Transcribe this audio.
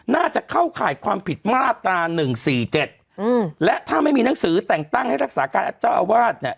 น่าจะเข้าข่ายความผิดมาตราหนึ่งสี่เจ็ดอืมและถ้าไม่มีหนังสือแต่งตั้งให้รักษาการเจ้าอาวาสเนี่ย